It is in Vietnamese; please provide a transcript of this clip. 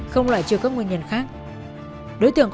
không loại trừ các nguyên nhân khác đối tượng